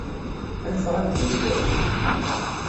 Ad neffeɣ ad neddu cwiṭ?